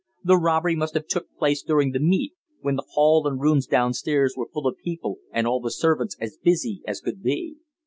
The robbery must have took place during the meet, when the hall and rooms downstairs was full of people and all the servants as busy as could be.